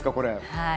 はい。